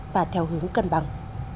và theo hướng cân bằng